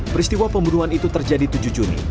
peristiwa pembunuhan itu terjadi tujuh juni